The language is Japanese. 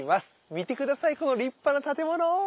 見て下さいこの立派な建物。